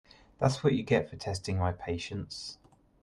That’s what you get for testing my patience.